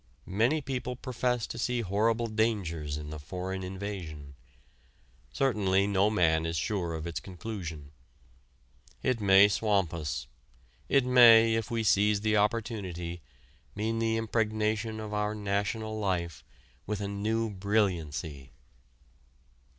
Many people profess to see horrible dangers in the foreign invasion. Certainly no man is sure of its conclusion. It may swamp us, it may, if we seize the opportunity, mean the impregnation of our national life with a new brilliancy.